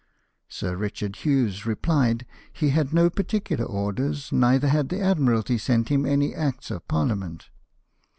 Sir Richard Hughes replied, he had no particular orders, neither had the Admiralty sent him any Acts of ParHament.